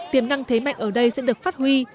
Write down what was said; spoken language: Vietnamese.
tiềm năng thế mạnh ở đây sẽ được phát huy